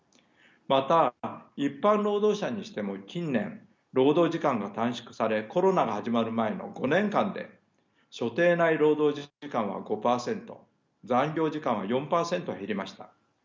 また一般労働者にしても近年労働時間が短縮されコロナが始まる前の５年間で所定内労働時間は５％残業時間は４％減りました。